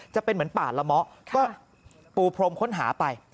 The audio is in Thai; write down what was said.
จะเป็นเหมือนป่าละเมาะก็ปูพรมค้นหาไป